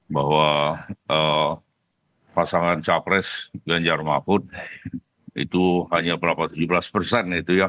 bahwa pasangan capres ganjar mahfud itu hanya berapa tujuh belas persen